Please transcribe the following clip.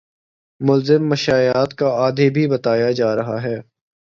ملزم مشیات کا عادی بھی بتایا جا رہا ہے